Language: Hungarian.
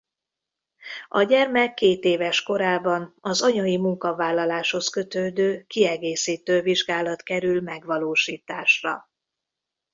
A gyermek két éves korában az anyai munkavállaláshoz kötődő kiegészítő vizsgálat kerül megvalósításra.